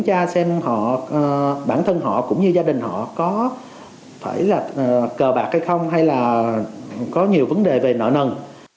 cha xem họ bản thân họ cũng như gia đình họ có phải là cờ bạc hay không hay là có nhiều vấn đề về nợ nần